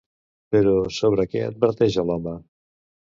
Però, sobre què adverteix a l'home?